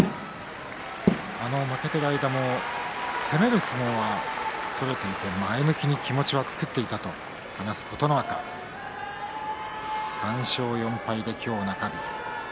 負けている間も攻める相撲は取れていて前向きに気持ちは作っていったと話す琴ノ若３勝４敗で今日、中日。